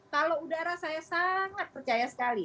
kalau udara saya sangat percaya sekali